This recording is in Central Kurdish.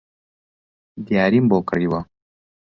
دیاریم بۆ کڕیوە